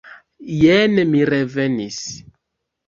Jen mi revenis!